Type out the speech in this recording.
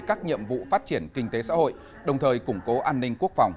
các nhiệm vụ phát triển kinh tế xã hội đồng thời củng cố an ninh quốc phòng